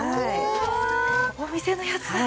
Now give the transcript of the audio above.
お店のやつだ。